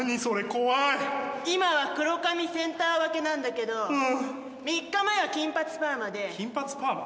怖い今は黒髪・センター分けなんだけど３日前は金髪パーマで金髪パーマ？